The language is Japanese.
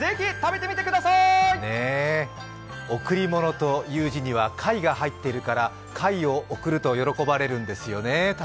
贈り物という字には貝という字が入っているから貝を贈ると喜ばれるんですよね